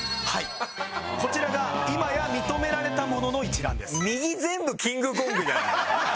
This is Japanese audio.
こちらが今や認められたものの一覧です。